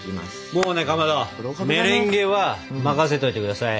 もうねかまどメレンゲは任せといて下さい。